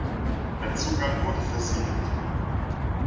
Der Zugang wurde versiegelt.